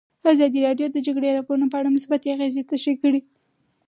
ازادي راډیو د د جګړې راپورونه په اړه مثبت اغېزې تشریح کړي.